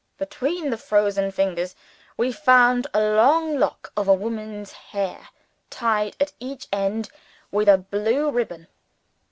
Between the frozen fingers, we found a long lock of a woman's hair, tied at each end with a blue ribbon.